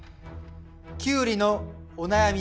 キュウリのお悩み